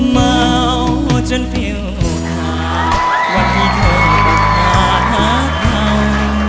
เมาจนเฟียวหมาวันที่เธอตกหาหาเขา